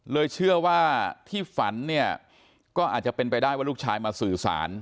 เชื่อว่าที่ฝันเนี่ยก็อาจจะเป็นไปได้ว่าลูกชายมาสื่อสาร